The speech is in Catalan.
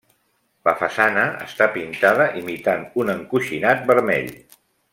La façana està pintada imitant un encoixinat vermell.